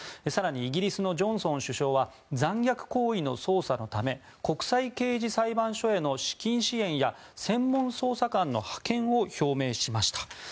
更にイギリスのジョンソン首相は残虐行為の捜査のため国際刑事裁判所への資金支援や専門捜査官の派遣を表明しました。